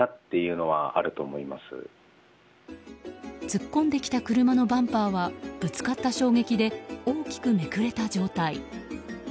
突っ込んできた車のバンパーはぶつかった衝撃で大きくめくれた状態。